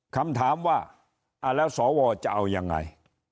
คำถามว่าอ่ะแล้วสอบว่าจะเอายังไง